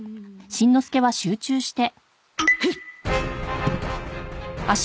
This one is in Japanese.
フッ！